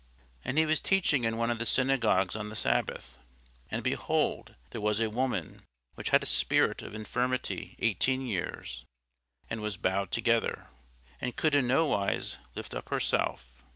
And he was teaching in one of the synagogues on the sabbath. And, behold, there was a woman which had a spirit of infirmity eighteen years, and was bowed together, and could in no wise lift up herself.